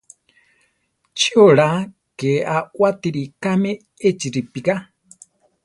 Chi oraa ké awátiri kame echi ripigá?